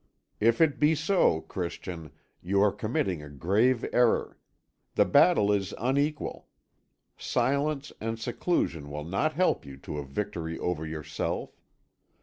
If it be so, Christian, you are committing a grave error; the battle is unequal; silence and seclusion will not help you to a victory over yourself.